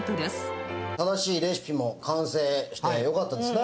正しいレシピも完成してよかったですね。